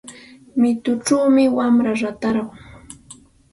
Mituchawmi wamra ratarqun.